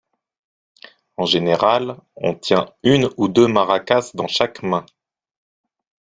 En général, on tient une ou deux maracas dans chaque main.